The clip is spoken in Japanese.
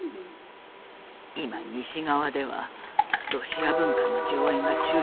今西側ではロシア文化の上演が中止されています。